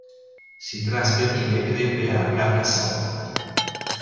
Si trasferì e crebbe a Carcassonne.